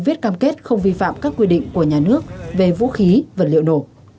viết cam kết không vi phạm các quy định của nhà nước về vũ khí vật liệu nổ